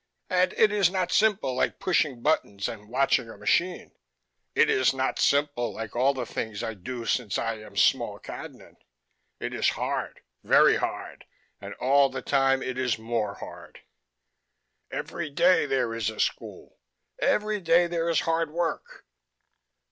And it is not simple like pushing buttons and watching a machine. It is not simple like all the things I do since I am small Cadnan. It is hard, very hard, and all the time it is more hard. Every day there is a school. Every day there is hard work.